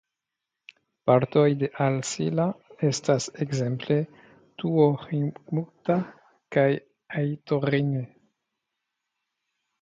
Partoj de Halssila estas ekzemple Tuohimutka kaj Aittorinne.